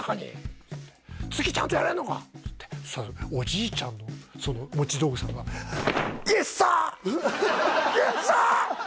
っつって「次ちゃんとやれんのか？」っつってそしたらおじいちゃんのその持ち道具さんが「Ｙｅｓｓｉｒ！」